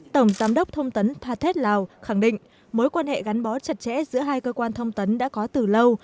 tổng giám đốc thông tấn pathet lào khẳng định mối quan hệ gắn bó chặt chẽ giữa hai cơ quan thông tấn đã có từ lâu